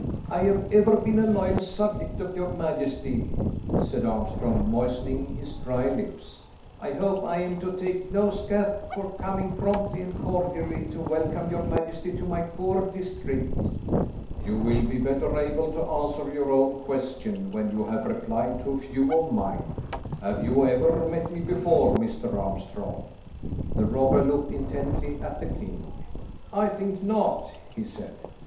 "I have ever been a loyal subject of your majesty," said Armstrong, moistening his dry lips. "I hope I am to take no scathe for coming promptly and cordially to welcome your majesty to my poor district." "You will be better able to answer your own question when you have replied to a few of mine. Have you ever met me before, Mr. Armstrong?" The robber looked intently at the king. "I think not," he said.